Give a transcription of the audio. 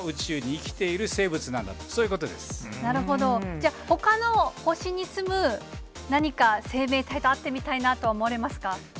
じゃあ、ほかの星に住む何か、生命体と会ってみたいなとは思われますか？